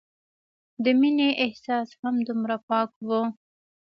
د مينې احساس هم دومره پاک وو